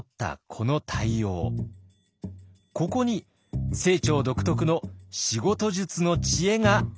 ここに清張独特の仕事術の知恵がありました。